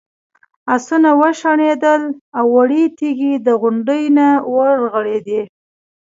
آسونه وشڼېدل او وړې تیږې د غونډۍ نه ورغړېدې.